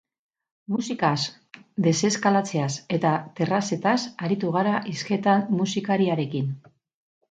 Musikaz, deseskalatzeaz eta terrazetaz aritu gara hizketan musikariarekin.